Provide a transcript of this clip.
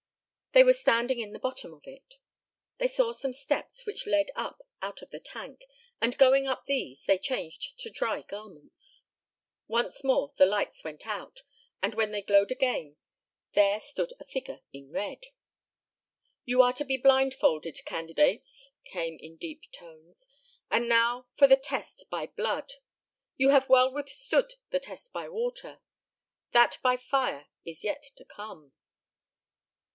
They were standing on the bottom of it. They saw some steps which led up out of the tank, and going up these they changed to dry garments. Once more the lights went out, and when they glowed again there stood a figure in red. "Ye are to be blindfolded, candidates," came in deep tones, "and now for the test by blood. Ye have well withstood the test by water. That by fire is yet to come."